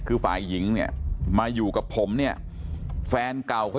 คือฝ่ายหญิงเนี่ยมาอยู่กับผมเนี่ยแฟนเก่าเขา